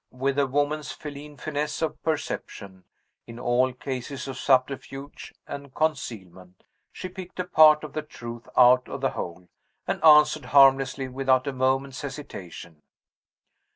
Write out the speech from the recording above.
With a woman's feline fineness of perception, in all cases of subterfuge and concealment, she picked a part of the truth out of the whole, and answered harmlessly without a moment's hesitation.